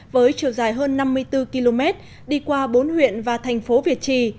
với chiều dài hơn năm mươi bốn km đi qua bốn huyện và thành phố việt trì